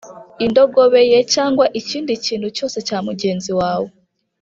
indogobe ye cyangwa ikindi kintu cyose cya mugenzi wawe